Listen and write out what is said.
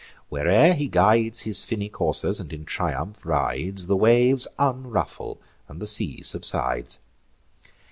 Where'er he guides His finny coursers and in triumph rides, The waves unruffle and the sea subsides.